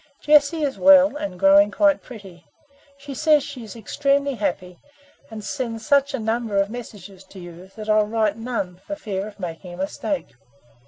Jessie is well, and growing quite pretty. She says she is extremely happy, and sends such a number of messages to you, that I'll write none, for fear of making a mistake.